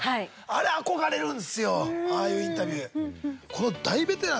あれ憧れるんですよああいうインタビュー。